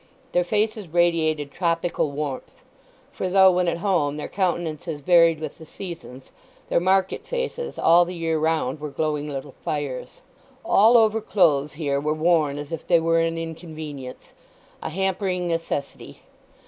Their faces radiated tropical warmth; for though when at home their countenances varied with the seasons, their market faces all the year round were glowing little fires. All over clothes here were worn as if they were an inconvenience, a hampering necessity.